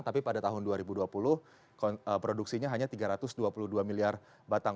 tapi pada tahun dua ribu dua puluh produksinya hanya tiga ratus dua puluh dua miliar batang